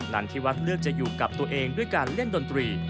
ันที่วัดเลือกจะอยู่กับตัวเองด้วยการเล่นดนตรี